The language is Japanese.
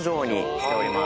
来ております。